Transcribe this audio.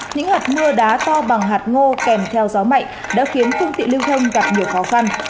những hạt mưa đá to bằng hạt ngô kèm theo gió mạnh đã khiến phung tị lưu thân gặp nhiều khó khăn